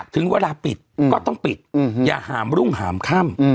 ถึงเวลาปิดก็ต้องปิดอย่าหามรุ่งหามค่ำ